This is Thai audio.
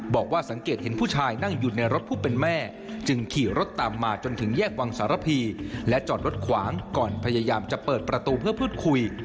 บอกว่าสังเกตเห็นผู้ชายนั่งอยู่ในรถผู้เป็นแม่จึงขี่รถตามมาจนถึงแยกวังสารพีและจอดรถขวางก่อนพยายามจะเปิดประตูเพื่อพูดคุย